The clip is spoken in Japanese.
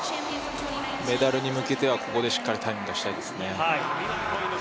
メダルに向けてはここでしっかりタイム出したいですね。